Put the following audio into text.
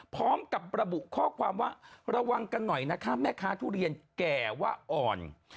พร้อมกับระบุข้อความว่าระวังกันหน่อยนะคะแม่ค้าทุเรียนแก่ว่าอ่อน